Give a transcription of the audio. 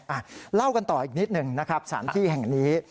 อ่ะเล่ากันต่ออีกนิดหนึ่งนะครับสถานที่แห่งนี้